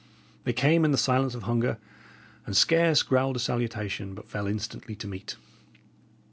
They came in the silence of hunger, and scarce growled a salutation, but fell instantly to meat.